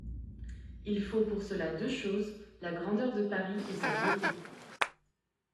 Il faut pour cela deux choses, la grandeur de Paris et sa gaîté.